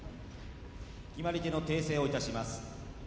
決まり手の訂正をいたします。